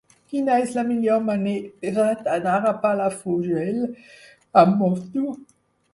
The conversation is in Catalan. Quina és la millor manera d'anar a Palafrugell amb moto?